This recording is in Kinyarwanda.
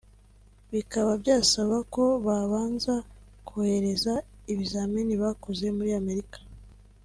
bikaba byasabaga ko babanza kohereza ibizamini bakoze muri Amerika